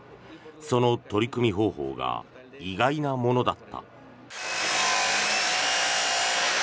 その取り組み方法が意外なものだった。